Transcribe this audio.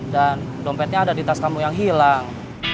dan dompetnya ada di tas kamu yang hilang